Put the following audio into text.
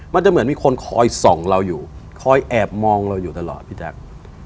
มันจะเหมือนมีคนคอยส่องเราอยู่คอยแอบมองเราอยู่ตลอดพี่แจ๊ค